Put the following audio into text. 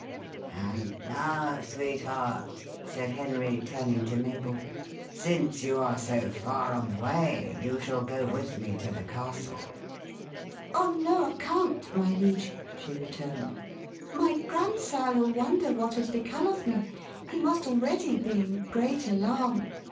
"And now, sweetheart," said Henry, turning to Mabel, "since you are so far on the way, you shall go with me to the castle." "On no account, my liege," she returned; "my grandsire will wonder what has become of me. He must already be in great alarm."